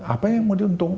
apa yang mau diuntung